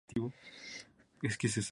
Jugaron a partido único en estadio neutral.